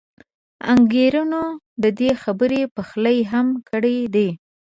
انګېرنو د دې خبرې پخلی هم کړی دی.